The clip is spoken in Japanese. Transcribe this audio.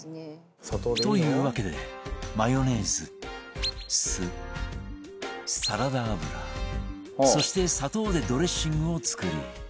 というわけでマヨネーズ酢サラダ油そして砂糖でドレッシングを作り